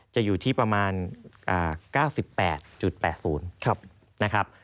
จะอยู่ที่ประมาณ๙๘๘๐บาท